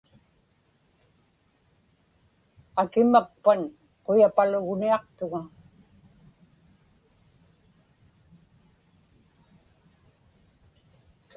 Akimakpan quyapalugniaqtuŋa.